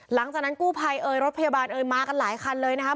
หลังจากนั้นกู้ภัยเอ่ยรถพยาบาลเอ่ยมากันหลายคันเลยนะครับ